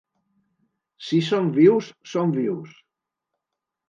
Si som vius, som vius.